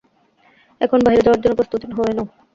এখন, বাহিরে যাওয়ার জন্য প্রস্তুত হয়ে নাও।